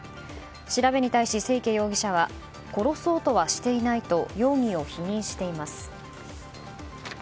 調べに対し清家容疑者は殺そうとはしていないと容疑を否認しています。